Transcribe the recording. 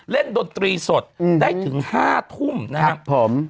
เล่นดนตรีสดได้ถึง๕ทุ่มนะครับ